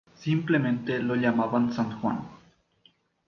Simplemente lo llamaban San Juan.